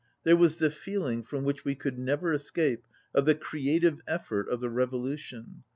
There was the feeling, from which we could never escape, of the creative effort of the revolution.